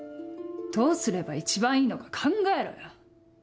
どうすれば一番いいのか考えろよ。